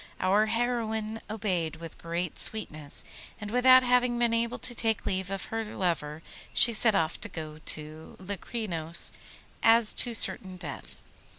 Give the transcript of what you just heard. Our heroine obeyed with great sweetness, and without having been able to take leave of her lover she set off to go to Locrinos as to certain death.